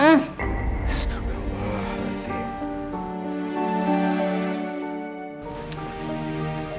oh ya desy